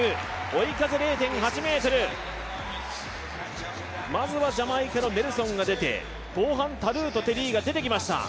追い風０．８ｍ、まずはジャマイカのネルソンが出て、後半、タルーとテリーが出てきました。